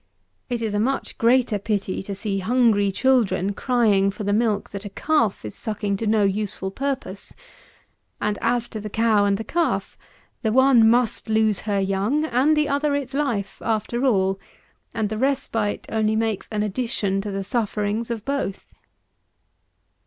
It is a much greater pity to see hungry children crying for the milk that a calf is sucking to no useful purpose; and as to the cow and the calf, the one must lose her young, and the other its life, after all; and the respite only makes an addition to the sufferings of both.